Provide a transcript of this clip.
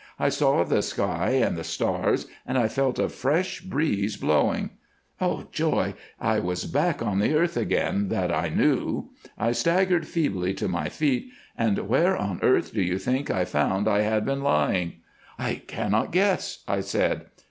I saw the sky and the stars, and I felt a fresh breeze blowing. Oh! joy, I was back on the earth again, that I knew. I staggered feebly to my feet, and where on earth do you think I found I had been lying?" "I cannot guess," I said.